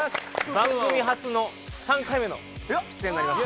番組初の３回目の出演になります